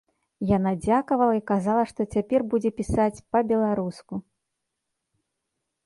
Яна дзякавала і казала, што цяпер будзе пісаць па-беларуску!